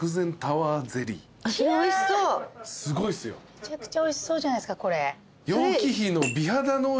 めちゃくちゃおいしそうじゃないっすか。